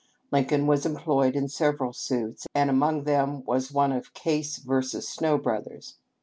Lincoln was employed in several suits, and among them was one of Case vs. Snow Bros.